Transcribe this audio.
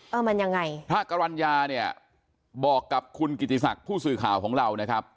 เออมันยังไงพระกรรณญาเนี่ยบอกกับคุณกิติศักดิ์ผู้สื่อข่าวของเรานะครับ